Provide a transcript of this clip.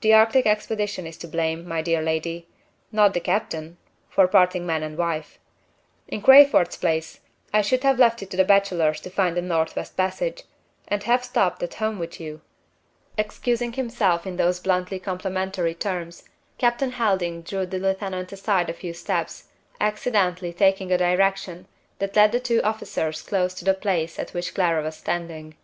The Arctic expedition is to blame, my dear lady not the captain for parting man and wife. In Crayford's place, I should have left it to the bachelors to find the Northwest Passage, and have stopped at home with you!" Excusing himself in those bluntly complimentary terms, Captain Helding drew the lieutenant aside a few steps, accidentally taking a direction that led the two officers close to the place at which Clara was standing.